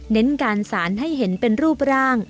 เน้นการสารให้เห็นเป็นรูปร่าง